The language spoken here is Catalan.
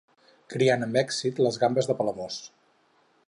Criant amb èxit les gambes de Palamós.